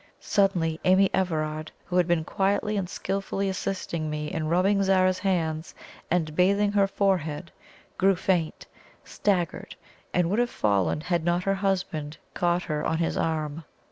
Suddenly Amy Everard, who had been quietly and skilfully assisting me in rubbing Zara's hands and bathing her forehead, grew faint, staggered, and would have fallen had not her husband caught her on his arm.